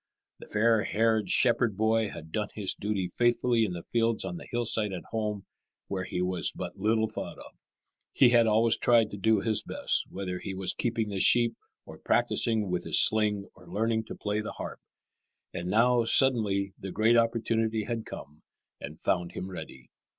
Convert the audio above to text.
The fair haired shepherd boy had done his duty faithfully in the fields on the hillside at home, where he was but little thought of. He had always tried to do his best, whether he was keeping the sheep or practising with his sling or learning to play the harp. And now, suddenly, the great opportunity had come and found him ready.